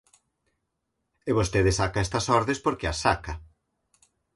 E vostede saca estas ordes porque as saca.